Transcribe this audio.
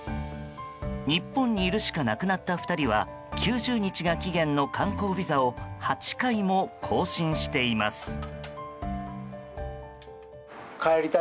日本にいるしかなくなった２人は９０日が期限の観光ビザを８回も更新しています。